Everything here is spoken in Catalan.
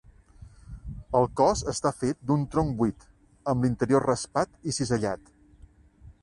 El cos està fet d'un tronc buit, amb l'interior raspat i cisellat.